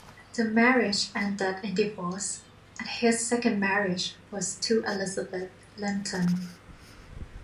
The marriage ended in divorce and his second marriage was to Elizabeth Lenton.